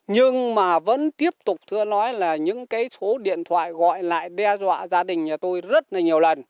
nhưng mà vẫn tiếp tục thưa nói là những cái số điện thoại gọi lại đe dọa gia đình nhà tôi rất là nhiều lần